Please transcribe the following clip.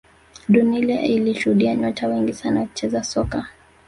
dunia ilishuhudia nyota wengi sana wakicheza soka